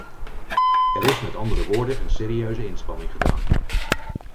Er is met andere woorden een serieuze inspanning gedaan.